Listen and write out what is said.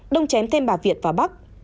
đông chém thêm bà việt và bắc